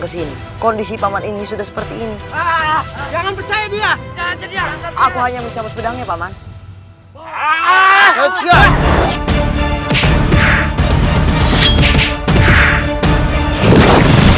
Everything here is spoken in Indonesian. kesini kondisi paman ini sudah seperti ini jangan percaya dia aku hanya mencabut pedangnya paman